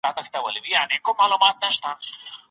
کمپيوټر مځکي اندازه کوي.